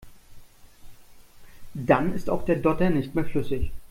Dann ist auch der Dotter nicht mehr flüssig.